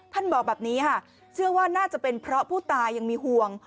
บอกแบบนี้ค่ะเชื่อว่าน่าจะเป็นเพราะผู้ตายยังมีห่วง